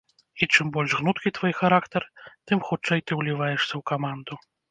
І чым больш гнуткі твой характар, тым хутчэй ты ўліваешся ў каманду.